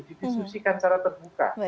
didiskusikan secara terbuka